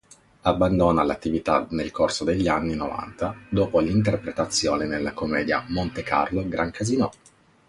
Abbandona l'attività nel corso degli anni novanta dopo l'interpretazione nella commedia Montecarlo Gran Casinò.